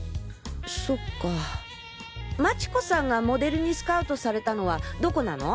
そっか町子さんがモデルにスカウトされたのはどこなの？